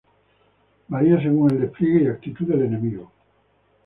Varía según el despliegue y actitud del enemigo.